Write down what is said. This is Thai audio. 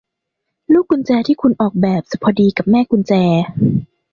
ลูกกุญแจที่คุณออกแบบจะพอดีกับแม่กุญแจ